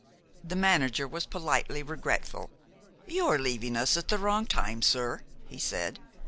The manager was politely regretful. "You are leaving us at the wrong time, sir," he said.